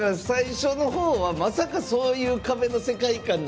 最初のほうはまさか、そういう壁の世界観